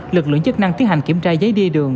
lực lượng chức năng tiến hành kiểm tra giấy đi đường